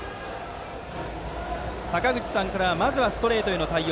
坂口さんからはまずはストレートへの対応